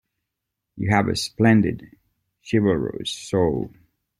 You have a splendid, chivalrous soul.